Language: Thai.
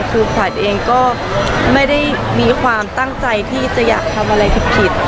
คือขวัญเองก็ไม่ได้มีความตั้งใจที่จะอยากทำอะไรผิด